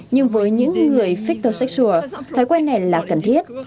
nhưng với những người phích tờ sách sùa thái quen này là cần thiết